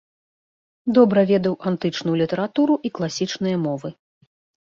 Добра ведаў антычную літаратуру і класічныя мовы.